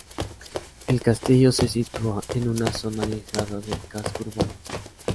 El castillo se sitúa en una zona alejada del casco urbano.